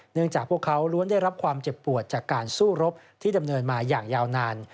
จากพวกเขาล้วนได้รับความเจ็บปวดจากการสู้รบที่ดำเนินมาอย่างยาวนาน